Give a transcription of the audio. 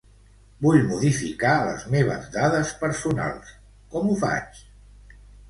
Vull modificar les meves dades personals, com ho faig?